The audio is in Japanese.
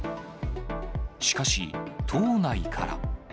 しかし、党内から。